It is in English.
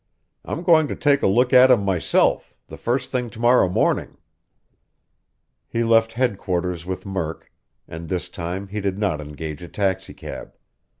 "I'm going to take a look at him myself, the first thing to morrow morning." He left headquarters with Murk, and this time he did not engage a taxicab.